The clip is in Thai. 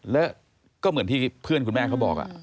แล้วก็เหมือนที่เพื่อนคุณแม่เขาบอก